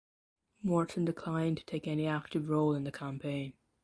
Morton declined to take any active role in the campaign.